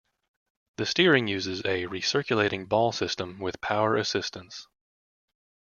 The steering uses a recirculating ball system with power assistance.